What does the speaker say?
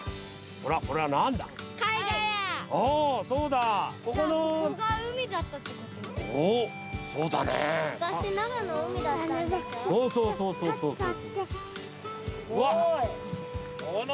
ここは海だったってこと？